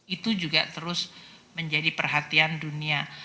itu juga terus menjadi perhatian dunia